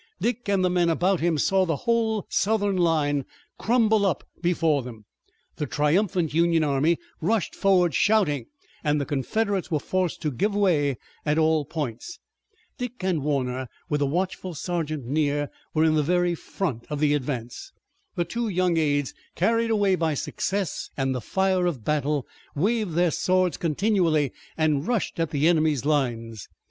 Dick and the men about him saw the whole Southern line crumble up before them. The triumphant Union army rushed forward shouting, and the Confederates were forced to give way at all points. Dick and Warner, with the watchful sergeant near, were in the very front of the advance. The two young aides carried away by success and the fire of battle, waved their swords continually and rushed at the enemy's lines.